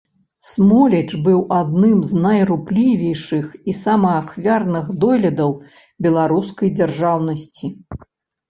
Смоліч быў адным з найруплівейшых і самаахвярных дойлідаў беларускай дзяржаўнасьці.